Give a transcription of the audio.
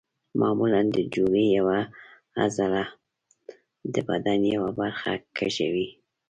معمولا د جوړې یوه عضله د بدن یوه برخه کږوي.